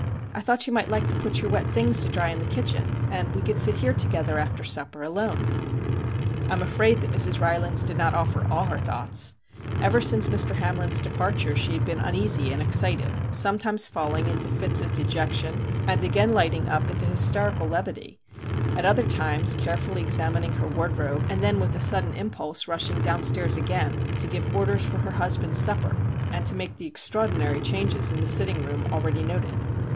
I thought you might like to put your wet things to dry in the kitchen, and we could sit here together, after supper, alone.' I am afraid that Mrs. Rylands did not offer all her thoughts. Ever since Mr.. Hamlin's departure she had been uneasy and excited, sometimes falling into fits of dejection, and again lighting up into hysterical levity ; at other times carefully examining her ward robe, and then with a sudden impulse rush ing downstairs again to give orders for her MR. JACK HAMLIN'S MEDIATION 39 husband's supper, and to make the extra ordinary changes in the sitting room already noted.